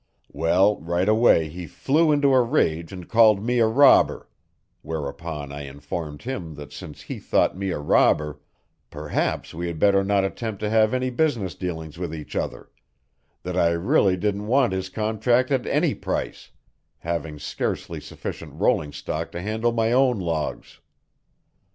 Well, right away he flew into a rage and called me a robber; whereupon I informed him that since he thought me a robber, perhaps we had better not attempt to have any business dealings with each other that I really didn't want his contract at any price, having scarcely sufficient rolling stock to handle my own logs.